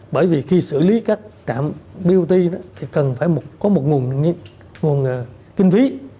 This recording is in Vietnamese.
bởi vì khi xử lý các trạm bot thì cần phải có một nguồn kinh phí